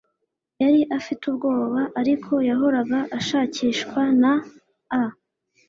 yari afite ubwoba. ariko, yahoraga ashakishwa na a